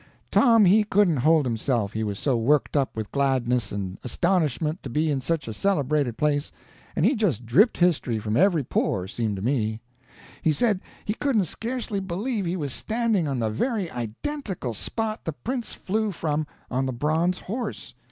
Tom he couldn't hold himself he was so worked up with gladness and astonishment to be in such a celebrated place, and he just dripped history from every pore, seemed to me. He said he couldn't scarcely believe he was standing on the very identical spot the prince flew from on the Bronze Horse.